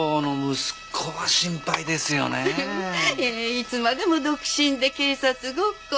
いつまでも独身で警察ごっこ。